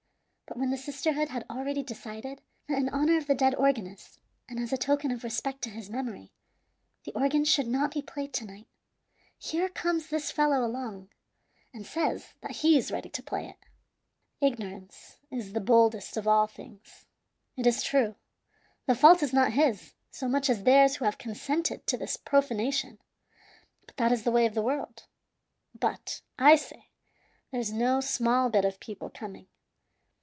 But when the sisterhood had already decided that in honor of the dead organist, and as a token of respect to his memory, the organ should not be played to night, here comes this fellow along, and says that he is ready to play it. "Ignorance is the boldest of all things. It is true, the fault is not his, so much as theirs who have consented to this profanation, but that is the way of the world. But, I say, there's no small bit of people coming.